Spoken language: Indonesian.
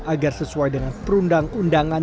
agar sesuai dengan perundang undangan